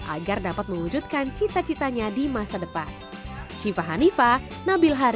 agar dapat mewujudkan cita citanya di masa depan